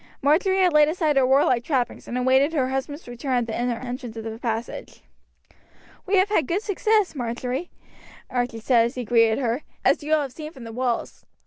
Marjory had laid aside her warlike trappings and awaited her husband's return at the inner entrance of the passage. "We have had good success, Marjory," Archie said as he greeted her, "as you will have seen from the walls.